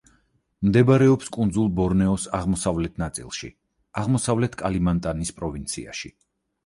მდებარეობს კუნძულ ბორნეოს აღმოსავლეთ ნაწილში, აღმოსავლეთ კალიმანტანის პროვინციაში.